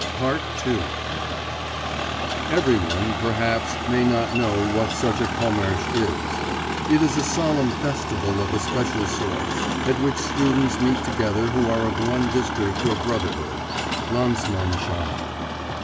II Every one, perhaps, may not know what such a commersh is. It is a solemn festival of a special sort, at which students meet together who are of one district or brotherhood (Landsmannschaft).